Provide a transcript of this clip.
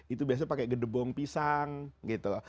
itu biasanya pakai gedebong pisang gitu